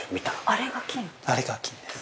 ◆あれが菌です。